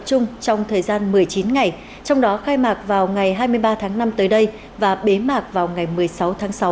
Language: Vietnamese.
chung trong thời gian một mươi chín ngày trong đó khai mạc vào ngày hai mươi ba tháng năm tới đây và bế mạc vào ngày một mươi sáu tháng sáu